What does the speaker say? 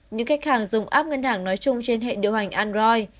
những khách hàng dùng app ngân hàng nói chung trên hệ điều hành android